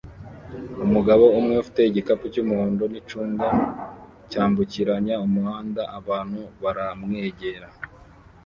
Umugabo umwe ufite igikapu cyumuhondo nicunga cyambukiranya umuhanda abantu baramwegera